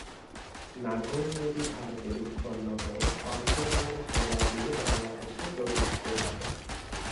নাগর নদী ভারতে উৎপন্ন হয়ে পঞ্চগড় জেলা দিয়ে বাংলাদেশে প্রবেশ করেছে।